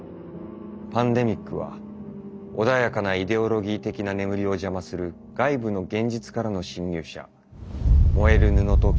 「パンデミックは穏やかなイデオロギー的な眠りを邪魔する外部の現実からの侵入者。